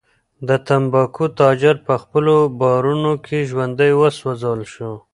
د تنباکو تاجر په خپلو بارونو کې ژوندی وسوځول شو.